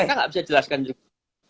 kita nggak bisa jelaskan juga